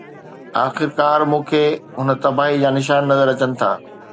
آخرڪار، مون کي هن تباهي جا نشان نظر اچن ٿا.